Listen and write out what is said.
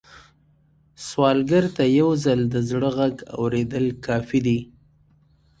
سوالګر ته یو ځل د زړه غږ اورېدل کافي دي